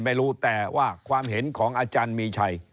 ไม่รู้แต่ว่าความเห็นของอาจารย์มีชัย